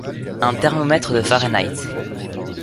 un thermomètre de Fahrenheit.